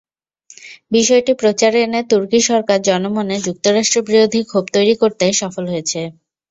বিষয়টি প্রচারে এনে তুর্কি সরকার জনমনে যুক্তরাষ্ট্রবিরোধী ক্ষোভ তৈরি করতে সফল হয়েছে।